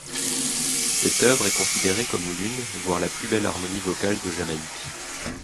Cette œuvre est considérée comme l'une, voire la plus belle harmonie vocale de Jamaïque.